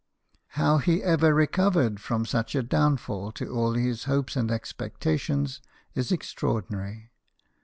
How he ever recovered from such a downfall to all his hopes and expectations is extraordi nary.